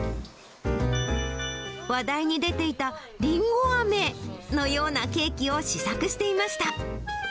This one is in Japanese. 話題に出ていたりんごあめのようなケーキを試作していました。